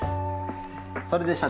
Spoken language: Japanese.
それで社長